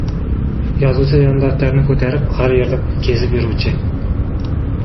yozuvchi yondaftarini koʻtarib har yerda kezib yuruvchi